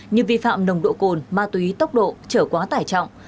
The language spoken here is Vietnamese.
như vi phạm nồng độ cồn ma túy tốc độ trở quá tải trọng